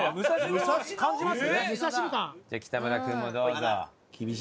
じゃあ北村君もどうぞ。